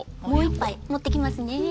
もう一杯持ってきますね。